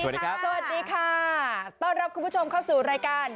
สวัสดีครับต้องรับคุณผู้ชมเข้าสู่รายการ